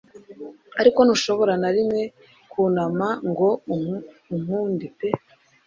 Ariko ntushobora na rimwe kunama ngo ukunde pe